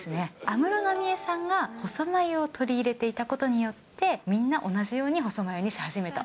安室奈美恵さんが細眉を取り入れていたことによって、みんな同じように細眉にし始めた。